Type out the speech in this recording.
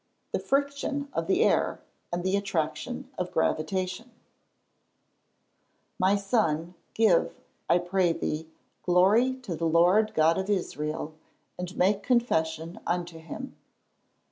_ The friction of the air, and the attraction of gravitation. [Verse: "My son, give, I pray thee, glory to the Lord God of Israel, and make confession unto him."